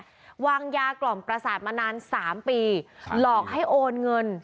นี่วางยากล่องปราศัทมณ์มานาน๓ปีหลอกให้โอนเงิน๑๐